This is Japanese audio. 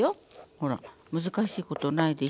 ほら難しいことないでしょ？